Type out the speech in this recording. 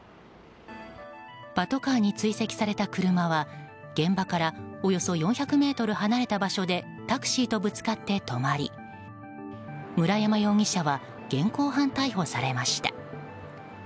パトカーに追跡された車は現場からおよそ４００ｍ離れた場所でタクシーとぶつかって止まり村山容疑者は現行犯逮捕されました。